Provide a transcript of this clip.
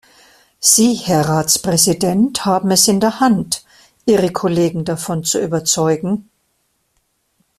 Sie, Herr Ratspräsident, haben es in der Hand, Ihre Kollegen davon zu überzeugen.